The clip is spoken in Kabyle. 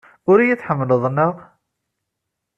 Ur iyi-tḥemmleḍ, naɣ?